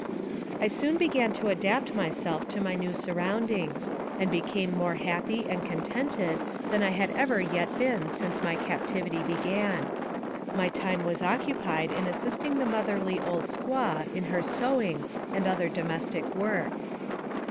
I soon began to adapt myself to my new surround ings, and became more happy and contented than I had ever yet been since my captivity began. My time was occupied in assisting the motherly old squaw in her sewing and other domestic work.